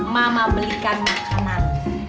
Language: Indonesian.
mama belikan makanan